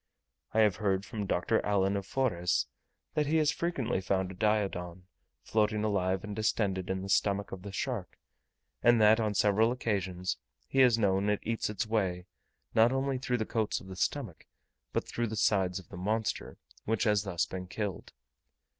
I have heard from Dr. Allan of Forres, that he has frequently found a Diodon, floating alive and distended, in the stomach of the shark, and that on several occasions he has known it eat its way, not only through the coats of the stomach, but through the sides of the monster, which has thus been killed.